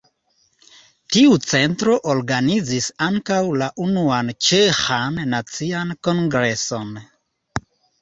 Tiu centro organizis ankaŭ la unuan ĉeĥan nacian kongreson.